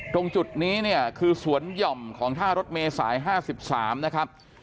ตรงจุดนี้เนี่ยคือสวนหย่อมของท่ารถเมษาย๕๓นะครับ